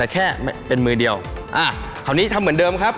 แค่เป็นมือเดียวคราวนี้ทำเหมือนเดิมครับ